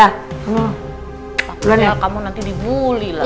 takutnya kamu nanti dibully lah